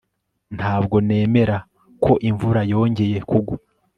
Ntabwo nemera ko imvura yongeye kugwa